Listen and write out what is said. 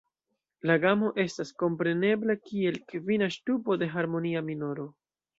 La gamo estas komprenebla kiel kvina ŝtupo de harmonia minoro.